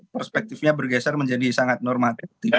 perspektifnya bergeser menjadi sangat normatif